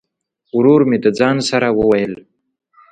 ورور مي د ځان سره وویل !